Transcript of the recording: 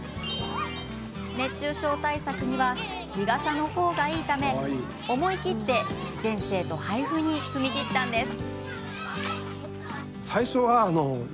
熱中症対策には日傘の方がいいため思い切って、全生徒配布に踏み切ったんです。